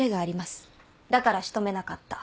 だから仕留めなかった。